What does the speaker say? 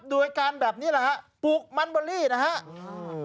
โดยการแบบนี้แหละฮะปลูกมันเบอรี่นะฮะอืม